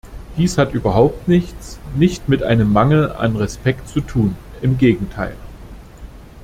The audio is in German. Dies hat überhaupt nichts nicht mit einem Mangel an Respekt zu tun, im Gegenteil.